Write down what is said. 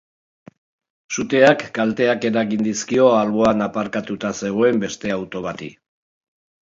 Suteak kalteak eragin dizkio alboan aparkatuta zegoen beste auto bati.